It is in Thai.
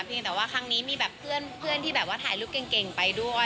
ยังแต่ว่าครั้งนี้มีแบบเพื่อนที่แบบว่าถ่ายรูปเก่งไปด้วย